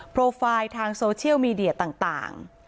โปรไฟล์ทางโซเชียลมีเดียต่าง